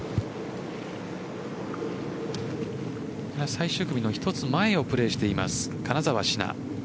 最終組の一つ前をプレーしています金澤志奈。